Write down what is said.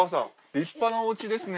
立派なおうちですね。